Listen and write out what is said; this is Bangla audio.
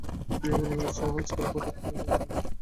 গিয়ে বলুন, আজকাল হঠাৎ কিরকম গরম পড়েছে।